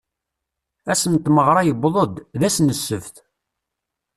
Ass n tmeɣra yewweḍ-d, d ass n ssebt.